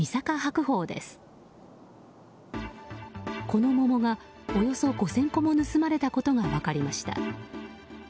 この桃が、およそ５０００個も盗まれたことが分かりました。